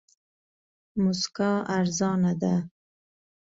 موسکا ارزانه ده.